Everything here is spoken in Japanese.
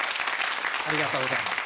ありがとうございます。